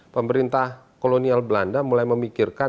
pemerintah kolonial belanda mulai memikirkan